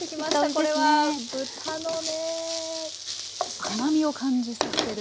これは豚のね甘みを感じさせる。